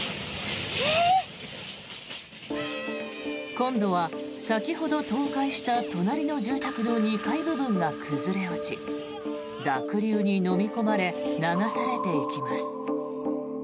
今度は先ほど倒壊した隣の住宅の２階部分が崩れ落ち濁流にのみ込まれ流されていきます。